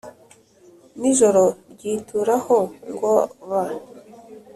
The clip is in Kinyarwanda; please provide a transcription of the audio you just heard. n’ijoro ryituraho ngo ba